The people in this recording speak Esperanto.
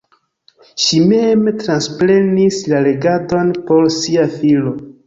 Ŝi mem transprenis la regadon por sia filo.